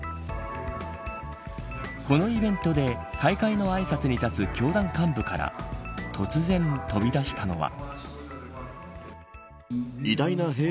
このイベントで開会のあいさつに立つ教団幹部から突然飛び出したのは。